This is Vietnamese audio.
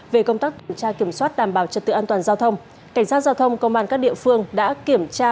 về công tác tra kiểm soát đảm bảo trật tự an toàn giao thông cảnh sát giao thông công an các địa phương đã kiểm tra